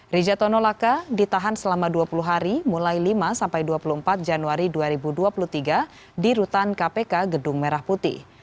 rijatono laka ditahan selama dua puluh hari mulai lima sampai dua puluh empat januari dua ribu dua puluh tiga di rutan kpk gedung merah putih